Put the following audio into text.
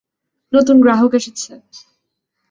নতুন গ্রাহক এসেছে।